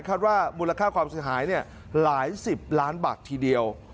คาดว่ามูลค่าความเสียหายหลายสิบล้านบาททีเดียว